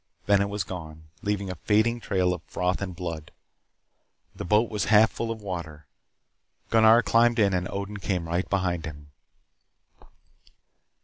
Then it was gone, leaving a fading trail of froth and blood. The boat was half full of water. Gunnar climbed in and Odin came right behind him.